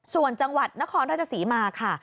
ส่วนจังหวัดนครราชศรีมาค่ะ